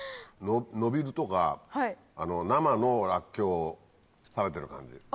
ノビルとか生のらっきょうを食べてる感じ。